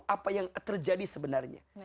apa yang terjadi sebenarnya